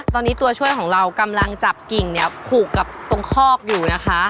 ตอนนี้ตัวช่วยของเรากำลังจับกิ่งเนี่ยผูกกับตรงคอกอยู่นะคะ